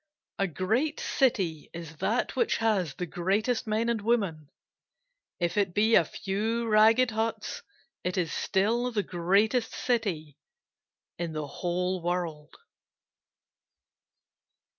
A great city is that which has the greatest men and women, If it be a few ragged huts it is still the greatest city in the whole world.